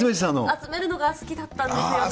集めるのが好きだったんですよね。